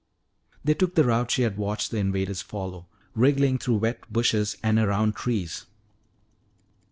They took the route she had watched the invaders follow, wriggling through wet bushes and around trees.